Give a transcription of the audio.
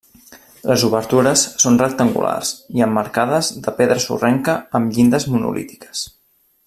Les obertures són rectangulars i emmarcades de pedra sorrenca amb llindes monolítiques.